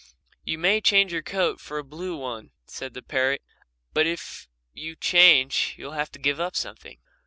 "You may change your coat for a blue one," said the parrot, "but if you change you'll have to give up something."